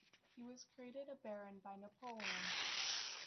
He was created a baron by Napoleon.